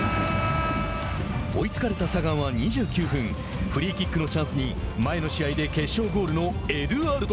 追いつかれたサガンは２９分フリーキックのチャンスに前の試合で決勝ゴールのエドゥアルド。